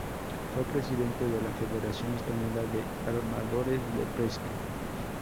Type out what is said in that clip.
Fue presidente de la Federación Española de Armadores de Pesca.